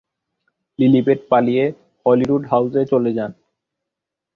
Lilibet পালিয়ে হলিরুড হাউজে চলে যান।